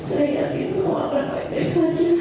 saya yakin semua akan baik baik saja